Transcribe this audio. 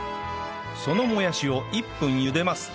そのもやしを１分茹でます